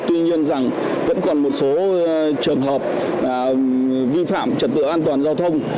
tuy nhiên rằng vẫn còn một số trường hợp vi phạm trật tự an toàn giao thông